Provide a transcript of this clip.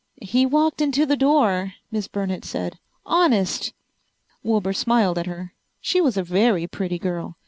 "He walked into the door," Miss Burnett said. "Honest." Wilbur smiled at her. She was a very pretty girl.